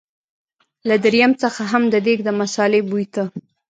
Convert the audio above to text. له دريم څخه هم د دېګ د مثالې بوی ته.